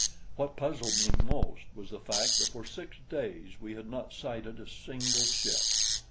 What puzzled me most was the fact that for six days we had not sighted a single ship.